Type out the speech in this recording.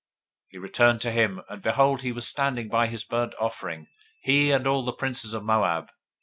023:006 He returned to him, and behold, he was standing by his burnt offering, he, and all the princes of Moab.